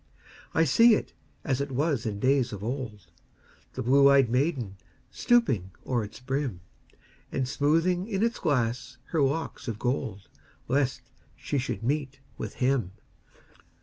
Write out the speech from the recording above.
I see it as it was in days of old, The blue ey'd maiden stooping o'er its brim, And smoothing in its glass her locks of gold, Lest she should meet with him.